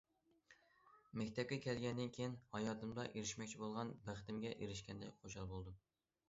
مەكتەپكە كەلگەندىن كېيىن ھاياتىمدا ئېرىشمەكچى بولغان بەختىمگە ئېرىشكەندەك خۇشال بولدۇم.